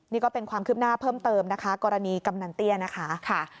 นี่ก็เป็นความคืบหน้าเพิ่มเติมนะคะกรณีกำนันเตี้ยนะคะ